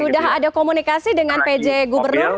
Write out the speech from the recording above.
sudah ada komunikasi dengan pj gubernur